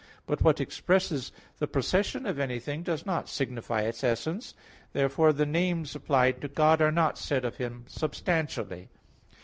But what expresses the procession of anything, does not signify its essence. Therefore the names applied to God are not said of Him substantially.